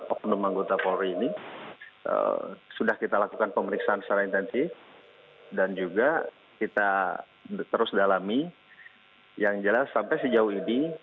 oknum anggota polri ini sudah kita lakukan pemeriksaan secara intensif dan juga kita terus dalami yang jelas sampai sejauh ini